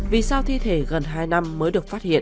vì sao thi thể gần hai năm mới được phát hiện